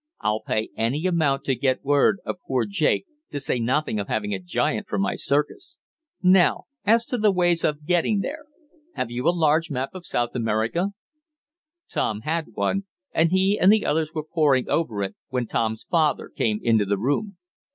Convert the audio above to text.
I'll pay any amount to get word of poor Jake, to say nothing of having a giant for my circus. Now as to ways of getting there. Have you a large map of South America?" Tom had one, and he and the others were pouring over it when Tom's father came into the room.